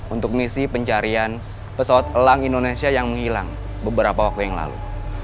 untuk misi pencarian pesawat elang indonesia yang menghilang beberapa waktu yang lalu